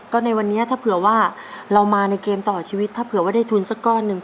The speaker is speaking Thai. ก็ในวันนี้ถ้าเผื่อว่าเรามาในเกมต่อชีวิตถ้าเผื่อว่าได้ทุนสักก้อนหนึ่ง